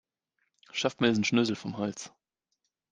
Schafft mir diesen Schnösel vom Hals.